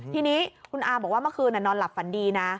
ทีนี้คุณอาบอกว่าเมื่อคืนนอนหลับฝันดีนะ